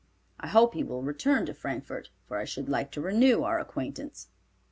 I hope he will return to Frankfort, for I should like to renew our acquaintance."